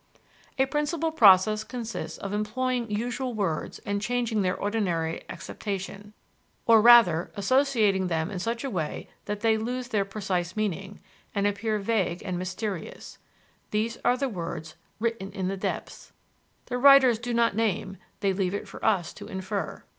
A principal process consists of employing usual words and changing their ordinary acceptation, or rather, associating them in such a way that they lose their precise meaning, and appear vague and mysterious: these are the words "written in the depths." The writers do not name they leave it for us to infer.